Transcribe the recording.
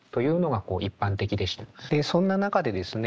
でそんな中でですね